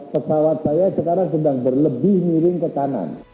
pesawat saya sekarang sedang berlebih miring ke kanan